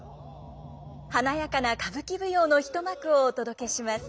華やかな歌舞伎舞踊の一幕をお届けします。